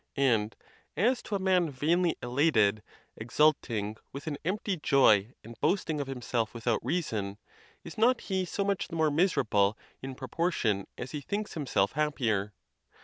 And as to a mar vainly elated, exulting with an empty joy, and boasting of himself without reason, is not he so much the more miserable in proportion as he thinks himself happier